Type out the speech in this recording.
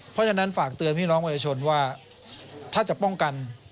เพราะฉะนั้นฝากเตือนพี่น้องประชาชนว่าถ้าจะป้องกัน